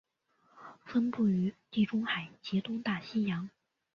分布于地中海及东大西洋。